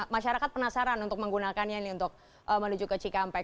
masyarakat penasaran untuk menggunakannya ini untuk menuju ke cikampek